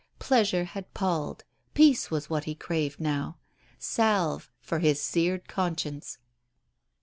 Pleasure had palled; peace was what he craved now salve for his seared conscience.